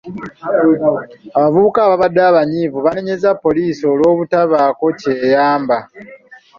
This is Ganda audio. Abavubuka abaabadde abanyiivu banenyezza poliisi olw'obutabaako ky'eyamba.